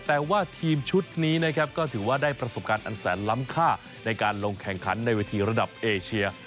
แต่ว่าทีมชุดนี้นะครับก็ถือว่าได้ประสบการณ์อันแสนล้ำค่าในการลงแข่งขันในเวทีระดับเอเชีย